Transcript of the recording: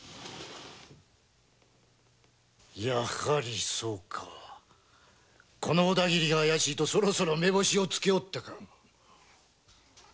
やはりそうかこの小田切が怪しいと目星をつけおったか。